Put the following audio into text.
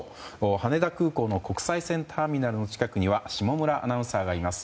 羽田空港の国際線ターミナルの近くには下村アナウンサーがいます。